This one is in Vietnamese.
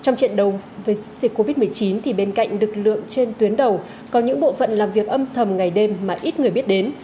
trong dịch covid một mươi chín thì bên cạnh lực lượng trên tuyến đầu có những bộ phận làm việc âm thầm ngày đêm mà ít người biết đến